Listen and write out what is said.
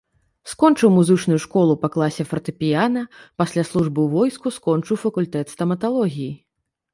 Скончыў музычную школу па класе фартэпіяна, пасля службы ў войску скончыў факультэт стаматалогіі.